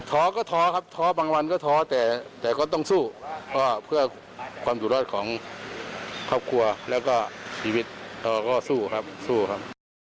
ก็ท้อครับท้อบางวันก็ท้อแต่ก็ต้องสู้เพื่อความอยู่รอดของครอบครัวแล้วก็ชีวิตเราก็สู้ครับสู้ครับ